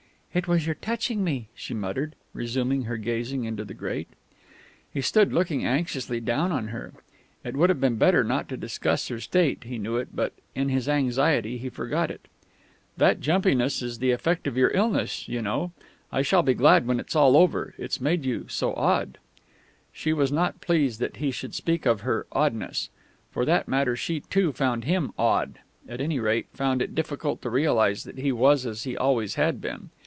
"It was your touching me," she muttered, resuming her gazing into the grate. He stood looking anxiously down on her. It would have been better not to discuss her state, and he knew it; but in his anxiety he forgot it. "That jumpiness is the effect of your illness, you know. I shall be glad when it's all over. It's made you so odd." She was not pleased that he should speak of her "oddness." For that matter, she, too, found him "odd" at any rate, found it difficult to realise that he was as he always had been.